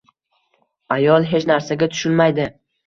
Ayol hech narsaga tushunmaydi.